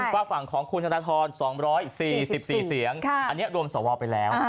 ฝากฝั่งของคุณธนทร๒๔๔เสียงอันนี้รวมสวไปแล้ว